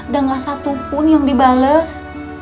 dan nggak satupun yang dibalas